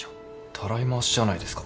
たらい回しじゃないですか。